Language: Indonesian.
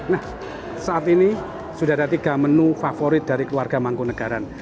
nah saat ini sudah ada tiga menu favorit dari keluarga mangkunagaran